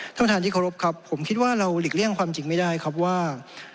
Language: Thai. ท่านประธานที่เคารพครับผมคิดว่าเราหลีกเลี่ยงความจริงไม่ได้ครับว่า